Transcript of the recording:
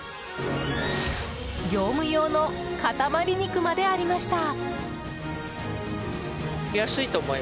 業務用の塊肉までありました。